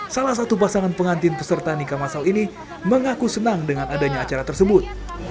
salah satu pasangan pengantin peserta nikah masal ini mengaku senang dengan adanya acara tersebut